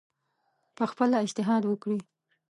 پخپله اجتهاد وکړي